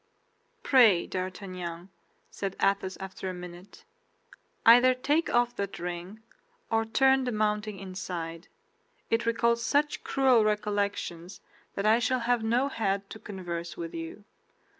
"Pray, D'Artagnan," said Athos, after a minute, "either take off that ring or turn the mounting inside; it recalls such cruel recollections that I shall have no head to converse with you.